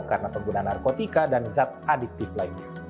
karena pengguna narkotika dan zat adiktif lainnya